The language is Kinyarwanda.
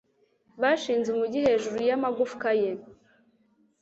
Bashinze umugi hejuru y'amagufwa ye